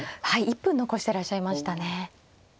１分残してらっしゃいましたね。